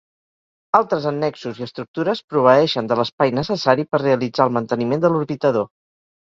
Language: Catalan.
Altres annexos i estructures proveeixen de l'espai necessari per realitzar el manteniment de l'orbitador.